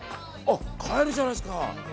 買えるじゃないですか！